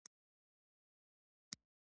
“تا زموږ له احساساتو سره لوبې کړې!